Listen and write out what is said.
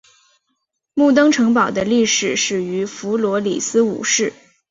木登城堡的历史始于弗罗里斯五世。